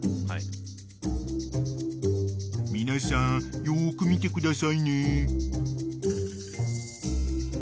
［皆さんよく見てくださいね］